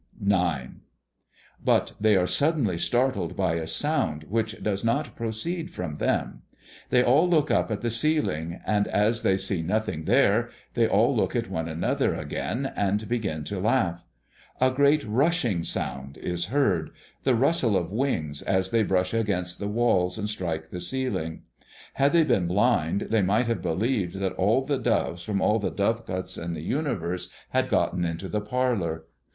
IX. But they are suddenly startled by a sound which does not proceed from them. They all look up at the ceiling; and as they see nothing there, they all look at one another again and begin to laugh. A great rushing sound is heard, the rustle of wings as they brush against the walls and strike the ceiling. Had they been blind, they might have believed that all the doves from all the dovecots in the universe had gotten into the parlor.